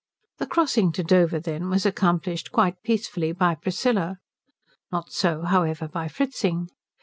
The crossing to Dover, then, was accomplished quite peacefully by Priscilla. Not so, however, by Fritzing.